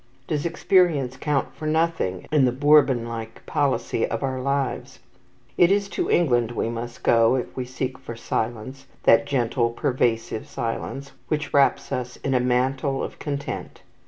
Does experience count for nothing in the Bourbon like policy of our lives? It is to England we must go if we seek for silence, that gentle, pervasive silence which wraps us in a mantle of content.